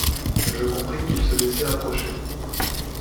Je compris qu’il se laissait approcher.